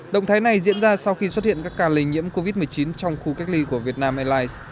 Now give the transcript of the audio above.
động thái này diễn ra sau khi xuất hiện các ca lây nhiễm covid một mươi chín trong khu cách ly của việt nam airlines